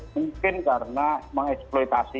mungkin karena mengeksploitasi